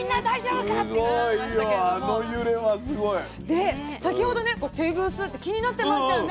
で先ほどねテグスって気になってましたよね。